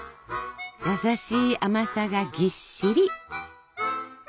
優しい甘さがぎっしり。